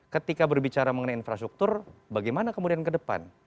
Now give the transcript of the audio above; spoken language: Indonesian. ketika berbicara mengenai infrastruktur bagaimana kemudian ke depan